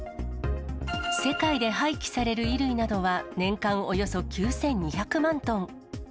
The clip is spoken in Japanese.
世界で廃棄される衣類などは年間およそ９２００万トン。